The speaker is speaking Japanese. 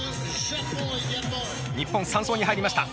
日本３走に入りました。